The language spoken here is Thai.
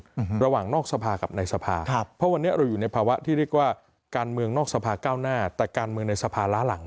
ระหว่างนอกสภากับในสภาครับเพราะวันนี้เราอยู่ในภาวะที่เรียกว่าการเมืองนอกสภาก้าวหน้าแต่การเมืองในสภาล้าหลัง